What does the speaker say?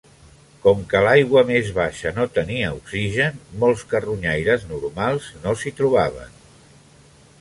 Com que l'aigua més baixa no tenia oxigen, molts carronyaires normals no s'hi trobaven.